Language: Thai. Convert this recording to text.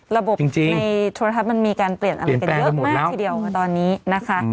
ระบบในโทรทัศน์มันมีการเปลี่ยน